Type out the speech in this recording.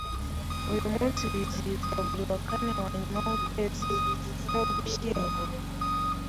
Uyu munsi wizihizwa buri wa kane wanyuma w’ukwezi k’Ugushyingo